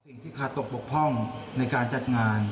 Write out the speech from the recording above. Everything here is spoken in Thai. สิ่งที่ขาดตกบกพร่องในการจัดงาน